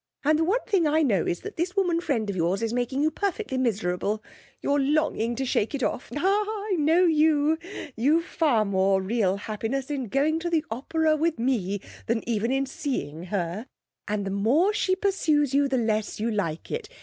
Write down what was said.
'And one thing I know is that this woman friend of yours is making you perfectly miserable. You're longing to shake it off. Ah, I know you! You've far more real happiness in going to the opera with me than even in seeing her, and the more she pursues you the less you like it.